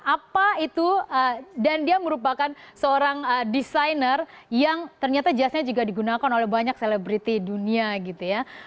apa itu dan dia merupakan seorang desainer yang ternyata jasnya juga digunakan oleh banyak selebriti dunia gitu ya